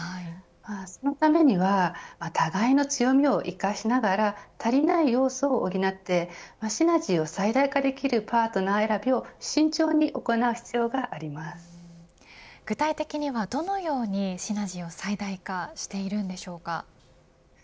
そのためには互いの強みを生かしながら足りない要素を補ってシナジーを最大化できるパートナー選びを具体的には、どのようにシナジーを最大化しているのでしょうか。